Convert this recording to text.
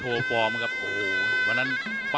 นักมวยจอมคำหวังเว่เลยนะครับ